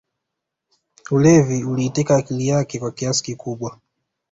Ulevi uliiteka akili yake kwa kiasi kikubwa